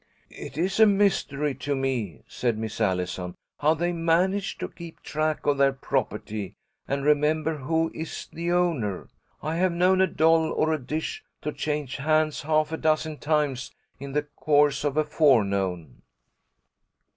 "It is a mystery to me," said Miss Allison, "how they manage to keep track of their property, and remember who is the owner. I have known a doll or a dish to change hands half a dozen times in the course of a forenoon."